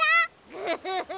グフフフ。